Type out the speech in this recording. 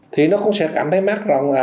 thì nó cũng sẽ cảm thấy mắt rằng là